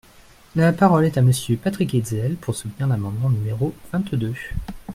La parole est à Monsieur Patrick Hetzel, pour soutenir l’amendement numéro vingt-deux.